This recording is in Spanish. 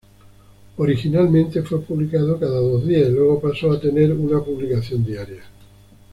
Originalmente fue publicado cada dos días, y luego pasó a tener una publicación diaria.